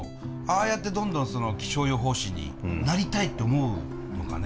ああやってどんどん気象予報士になりたいって思うのかね